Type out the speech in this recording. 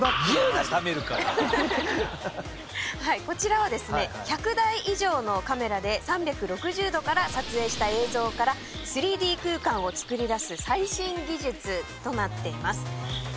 こちらは１００台以上のカメラで３６０度から撮影した映像から３Ｄ空間をつくりだす最新技術となっています。